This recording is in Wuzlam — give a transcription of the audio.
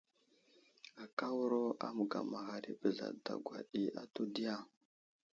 Akáwuro a məgamaghar i bəra dagwa ɗi atu diya ?